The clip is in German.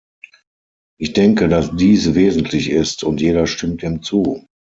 Ich denke, dass dies wesentlich ist, und jeder stimmt dem zu.